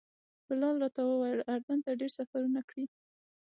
بلال راته وویل اردن ته ډېر سفرونه کړي.